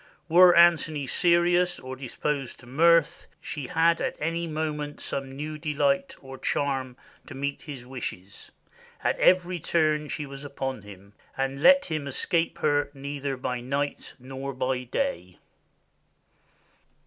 Were Antony serious or disposed to mirth, she had at any moment some new delight or charm to meet his wishes, at every turn she was upon him, and let him escape her neither by night nor by day."